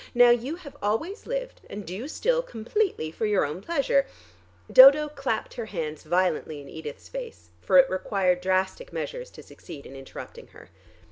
Now you have always lived, and do still, completely for your own pleasure " Dodo clapped her hands violently in Edith's face for it required drastic measures to succeed in interrupting her.